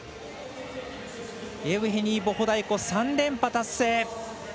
イェブヘニー・ボホダイコ３連覇達成。